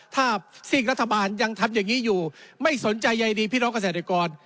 ถ้าซีกรัฐบาลยังทำอย่างนี้อยู่ไม่สนใจใยดีพี่น้องเกษตรกร